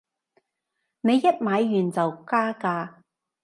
你一買完就加價